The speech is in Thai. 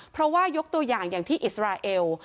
เพราะว่ายกตัวอย่างอย่างที่อิสราเอล